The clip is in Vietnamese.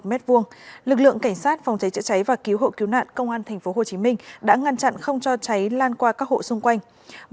lực lượng cảnh sát phòng cháy chữa cháy và cứu hộ cứu nạn công an tp hcm đã ngăn chặn không cho cháy lan qua các hộ xung quanh